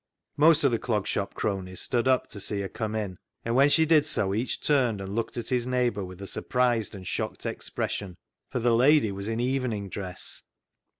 Most of the Clog Shop cronies stood up to see her come in ; and when she did so each turned and looked at his neighbour with a surprised and shocked expres sion, for the lady was in evening dress.